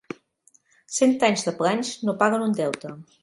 Cent anys de planys no paguen un deute.